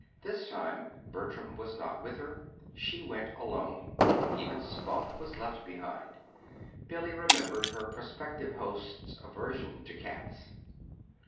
This time Bertram was not with her. She went alone. Even Spunk was left behind Billy remembered her prospective host's aversion to cats.